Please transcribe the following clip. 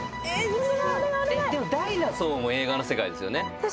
嘘⁉ダイナソーも映画の世界ですよ。